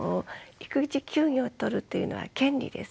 育児休業を取るというのは権利です。